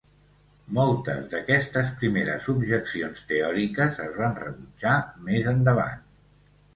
Moltes d'aquestes primeres objeccions teòriques es van rebutjar més endavant.